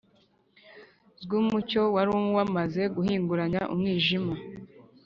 zw’umucyo wari wamaze guhinguranya umwijima